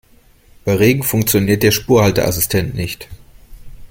Bei Regen funktioniert der Spurhalteassistent nicht.